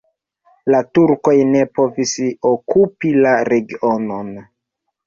La turkoj ne povis okupi la regionon.